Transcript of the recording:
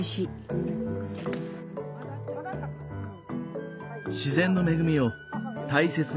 自然の恵みを大切に頂く心。